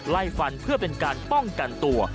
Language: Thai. ไล่ฟันเพื่อเป็นการป้องกันตัว